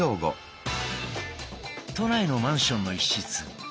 都内のマンションの一室。